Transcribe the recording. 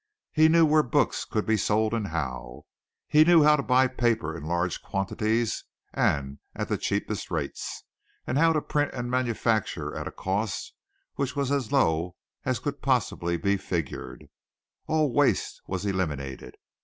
He knew where books could be sold and how. He knew how to buy paper in large quantities and at the cheapest rates, and how to print and manufacture at a cost which was as low as could possibly be figured. All waste was eliminated.